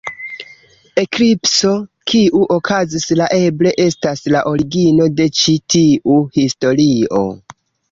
Eklipso kiu okazis la eble estas la origino de ĉi tiu historio.